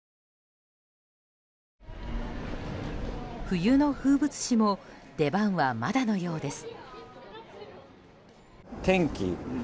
冬の風物詩も出番はまだのようです。